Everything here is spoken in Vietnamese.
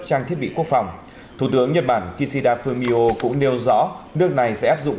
trang thiết bị quốc phòng thủ tướng nhật bản kishida fumio cũng nêu rõ nước này sẽ áp dụng